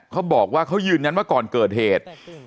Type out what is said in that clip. เขาบอกประเภทคือนานว่าก่อนเกิดเหตุ